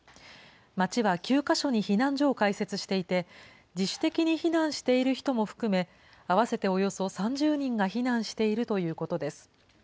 町は９か所に避難所を開設していて、自主的に避難している人も含め、合わせておよそ３０人が避難しているということです。